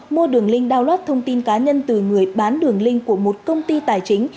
mua đường link download thông tin cá nhân từ người bán đường link của một công ty tài chính